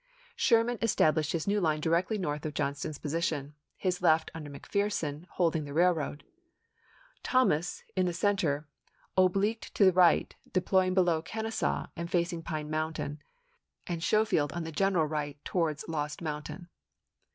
Sherman established his new line directly north of John ston's position, his left, under McPherson, holding the railroad; Thomas, in the center, obliqued to the right, deploying below Kenesaw and facing Pine Mountain ; and Schofield on the general right towards Lost Mountain.